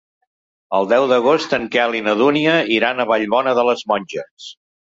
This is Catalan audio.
El deu d'agost en Quel i na Dúnia iran a Vallbona de les Monges.